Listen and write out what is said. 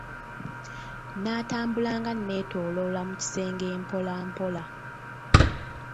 Natambula nga ne toloola mu kisenge mpolampola.